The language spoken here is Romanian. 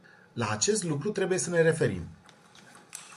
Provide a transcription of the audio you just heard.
La acest lucru trebuie să ne referim.